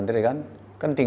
kelas dua sd ini